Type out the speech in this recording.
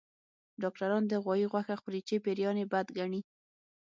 ډاکټران د غوايي غوښه خوري چې پيريان يې بد ګڼي